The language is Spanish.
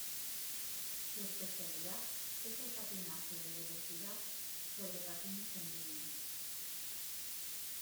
Su especialidad es el patinaje de velocidad sobre patines en línea.